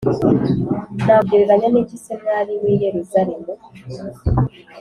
Nakugereranya n’iki se, mwari w’i Yeruzalemu?